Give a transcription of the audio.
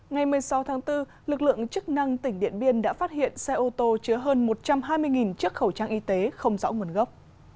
ngày một mươi sáu tháng bốn lực lượng chức năng tỉnh điện biên đã phát hiện xe ô tô chứa hơn một trăm hai mươi chiếc khẩu trang y tế không rõ nguồn gốc